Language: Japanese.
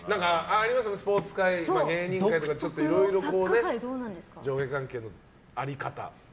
スポーツ界とか芸人界とか上下関係の在り方。